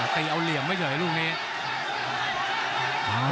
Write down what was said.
ตีเอาเหลี่ยมไว้เฉยลูกนี้